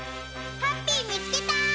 ハッピーみつけた！